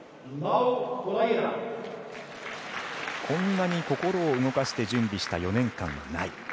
こんなに心を動かして準備した４年間はない。